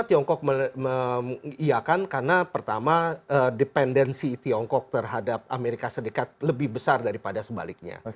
tiongkok mengiakan karena pertama dependensi tiongkok terhadap amerika serikat lebih besar daripada sebaliknya